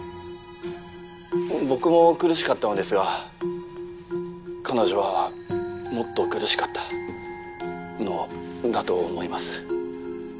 僕も苦しかったのですが彼女はもっと苦しかったのだと思います。